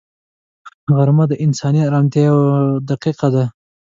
غرمه د انساني ارامتیا یوه دقیقه ده